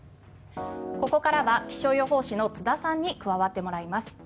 ここからは気象予報士の津田さんに加わってもらいます。